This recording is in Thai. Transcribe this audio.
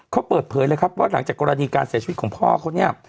เขาเปิดเผยเลยครับว่าหลังจากกรณีการเสียชีวิตของพ่อเขาเนี่ย